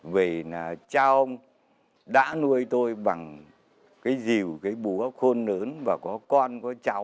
vì cha ông đã nuôi tôi bằng cái dìu cái búa khôn lớn và có con có cháu